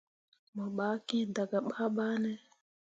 Mo ɓah kiŋ dah gah babane.